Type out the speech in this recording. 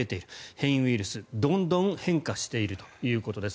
変異ウイルス、どんどん変化しているということです。